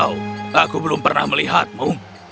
oh aku belum pernah melihatmu